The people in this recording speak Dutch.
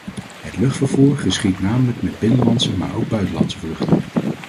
Het luchtvervoer geschiedt namelijk met binnenlandse maar ook buitenlandse vluchten.